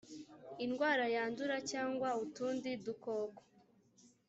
indwara yandura cyangwa utundi dukoko